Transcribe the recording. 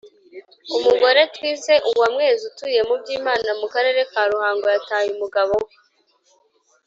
umugore twise uwamwezi utuye mu byimana mu karere ka ruhango yataye umugabo we